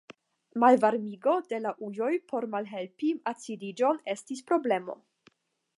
Malvarmigo de la ujoj por malhelpi acidiĝon estis problemo.